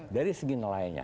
dari segi nelayannya